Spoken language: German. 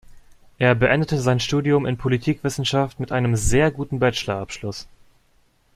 Er beendete sein Studium in Politikwissenschaft mit einem sehr guten Bachelor-Abschluss.